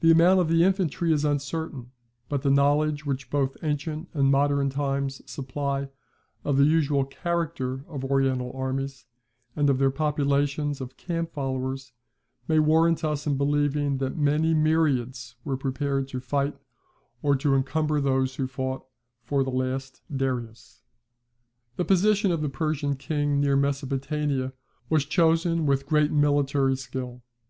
The amount of the infantry is uncertain; but the knowledge which both ancient and modern times supply of the usual character of Oriental armies, and of their populations of camp followers, may warrant us in believing that many myriads were prepared to fight, or to encumber those who fought, for the last Darius. The position of the Persian king near Mesopotamia was chosen with great military skill.